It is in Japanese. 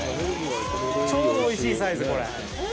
ちょうどおいしいサイズ、これ。